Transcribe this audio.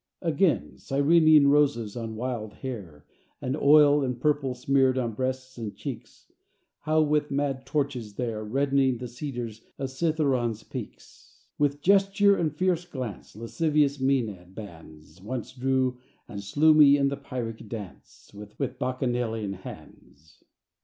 Again: Cyrenian roses on wild hair, And oil and purple smeared on breasts and cheeks, How, with mad torches there, Reddening the cedars of Cithæron's peaks, With gesture and fierce glance, Lascivious Mænad bands Once drew and slew me in the Pyrrhic dance With Bacchanalian hands.